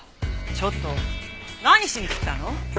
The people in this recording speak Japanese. ちょっと何しに来たの？